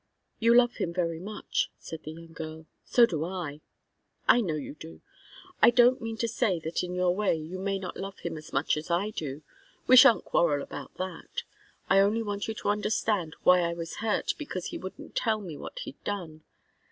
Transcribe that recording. "You love him very much," said the young girl. "So do I." "I know you do. I don't mean to say that in your way you may not love him as much as I do. We shan't quarrel about that. I only want you to understand why I was hurt because he wouldn't tell me what he'd done.